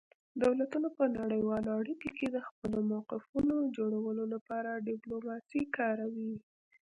دولتونه په نړیوالو اړیکو کې د خپلو موقفونو جوړولو لپاره ډیپلوماسي کاروي